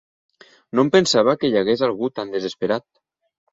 No em pensava que hi hagués algú tan desesperat.